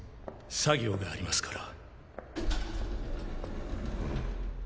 作業がありますから。